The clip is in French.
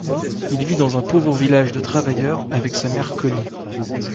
Il vit dans un pauvre village de travailleurs, avec sa mère Connie.